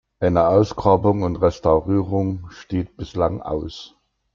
Eine Ausgrabung und Restaurierung steht bislang aus.